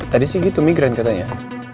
tadi sih gitu migran katanya